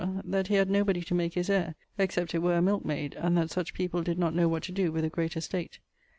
that he had nobody to make his heire, except it were a milke mayd, and that such people did not know what to doe with a great estate.